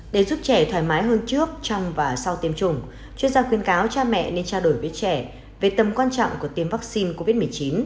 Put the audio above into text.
để giúp trẻ thoải mái hơn trước trong và sau tiêm chủng chuyên gia khuyên cáo cha mẹ nên trao đổi với trẻ về tầm quan trọng của tiêm vaccine covid một mươi chín